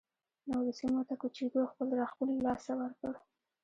نورو سیمو ته کوچېدو خپل راښکون له لاسه ورکړ